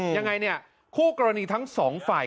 ยังไงเนี่ยคู่กรณีทั้งสองฝ่าย